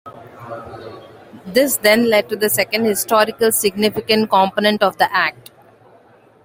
This then lead to the second historically significant component of the Act.